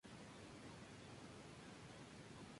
El disco se vendió junto al periódico "Gara".